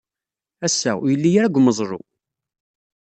Ass-a, ur yelli ara deg umeẓlu.